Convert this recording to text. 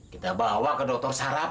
kita bawa ke dokter saraf